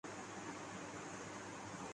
ان کے آنے کا وقت بھی ان کو معلوم ہوتا ہے